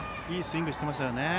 いいスイングをしていますよね。